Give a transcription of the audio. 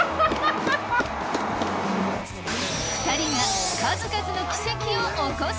２人が数々の奇跡を起こす！